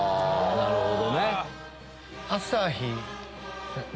なるほど。